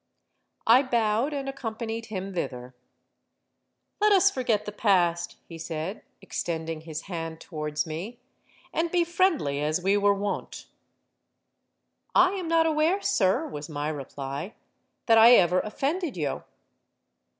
'—I bowed and accompanied him thither.—'Let us forget the past,' he said, extending his hand towards me, 'and be friendly as we were wont.'—'I am not aware, sir,' was my reply, 'that I ever offended you.'